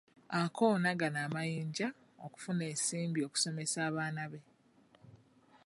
Akoona gano amayinja okufunamu ensimbi okusomesa abaana be .